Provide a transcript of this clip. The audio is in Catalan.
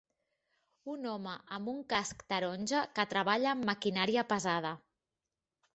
Un home amb un casc taronja que treballa amb maquinària pesada.